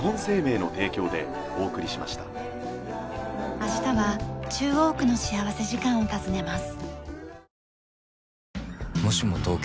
明日は中央区の幸福時間を訪ねます。